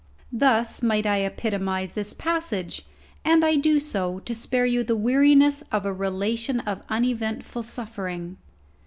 Thus might I epitomize this passage; and I do so to spare you the weariness of a relation of uneventful suffering.